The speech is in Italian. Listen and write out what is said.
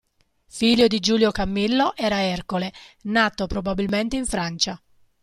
Figlio di Giulio Camillo era Ercole, nato probabilmente in Francia.